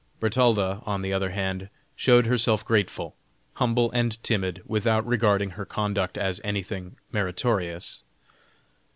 Bertalda, on the other hand, showed herself grateful, humble and timid, without regarding her conduct as anything meritorious.